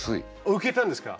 ウケたんですか？